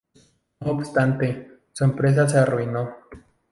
No obstante, su empresa se arruinó.